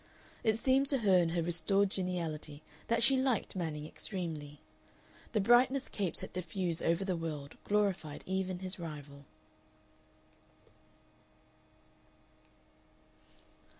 It seemed to her in her restored geniality that she liked Manning extremely. The brightness Capes had diffused over the world glorified even his rival.